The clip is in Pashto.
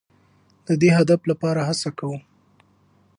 د دې هدف لپاره هڅه کوو.